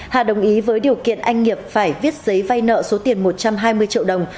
hà đồng ý với điều kiện anh nghiệp phải viết giấy vay nợ số tiền một trăm hai mươi triệu đồng